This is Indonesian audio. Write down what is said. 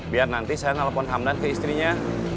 biar nanti saya nelfon hamdan ke istrinya